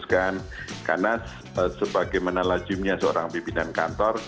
saya harus memutuskan karena sebagaimana lazimnya seorang pimpinan kantor